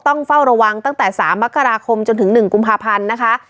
ต้องเฝ้าระวังตั้งแต่๓มกราคมจนถึง๑กุมภาพันธ์นะคะ